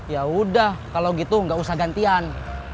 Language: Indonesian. yaudah kalo gitu gak usah gantian